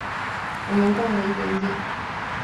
我们逛了一点点